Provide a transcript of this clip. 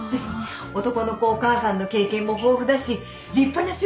男の子お母さんの経験も豊富だし立派な主婦だし。